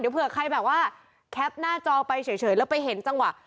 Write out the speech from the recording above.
เผื่อใครแบบว่าแคปหน้าจอไปเฉยแล้วไปเห็นจังหวะ